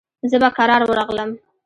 زه به کرار ورغلم.